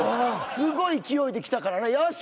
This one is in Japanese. すごい勢いで来たからなよし！